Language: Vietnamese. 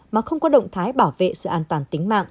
mà không có động thái bảo vệ sự an toàn tính mạng